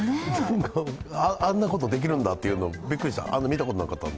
あんなことできるんだっていうのびっくりした、見たことなかったので。